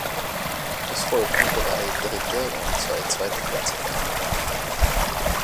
Es folgten drei dritte und zwei zweite Plätze.